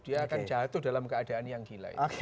dia akan jatuh dalam keadaan yang gila